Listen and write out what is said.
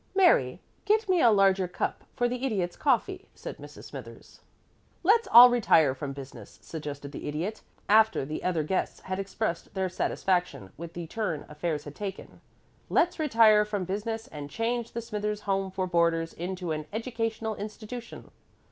"Mary, get me a larger cup for the Idiot's coffee," said Mrs. Smithers. "Let's all retire from business," suggested the Idiot, after the other guests had expressed their satisfaction with the turn affairs had taken. "Let's retire from business, and change the Smithers Home for Boarders into an Educational Institution."